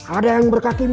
ada yang berkaki dua